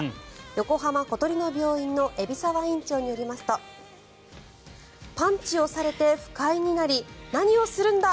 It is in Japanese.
横浜小鳥の病院の海老沢院長によりますとパンチをされて、不快になり何をするんだ！